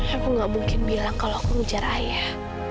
aku gak mungkin bilang kalau aku ngejar ayah